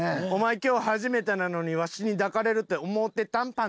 今日初めてなのにわしに抱かれるって思てたんパンティです。